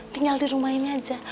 tinggal di rumah ini aja